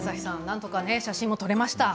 なんとか写真も撮れました。